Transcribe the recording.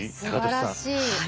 すばらしい。